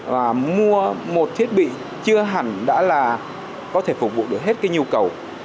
và mua một thiết bị chưa hẳn đã là có thể phục vụ được hết cái nhu cầu